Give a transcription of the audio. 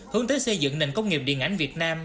hướng tới xây dựng nền công nghiệp điện ảnh việt nam